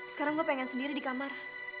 sekarang gue pengen sendiri di kamar